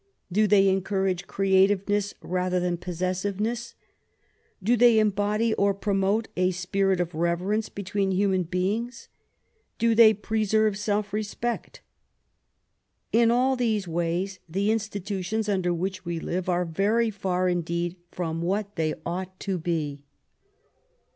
Do they encourage creativeness rather than possessiveness? Do they embody or promote a spirit of reverence between human beings? Do they preserve self respect? In all these ways the institutions under which we live are very far indeed from what they ought to be.